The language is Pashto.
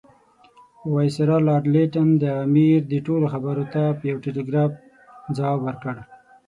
وایسرا لارډ لیټن د امیر دې ټولو خبرو ته په یو ټلګراف ځواب ورکړ.